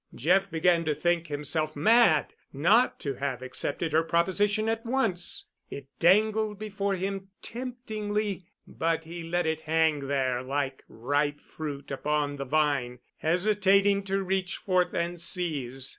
Jeff began to think himself mad not to have accepted her proposition at once. It dangled before him temptingly—but he let it hang there like ripe fruit upon the vine, hesitating to reach forth and seize.